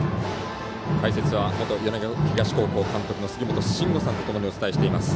解説は元米子東高校監督の杉本真吾さんとともにお伝えしています。